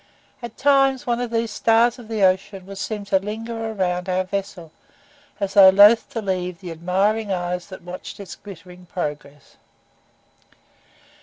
At times one of these stars of the ocean would seem to linger around our vessel, as though loth to leave the admiring eyes that watched its glittering progress.